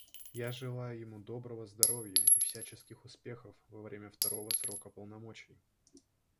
Я желаю ему доброго здоровья и всяческих успехов во время второго срока полномочий.